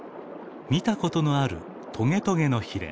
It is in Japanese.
見たことのあるトゲトゲのひれ。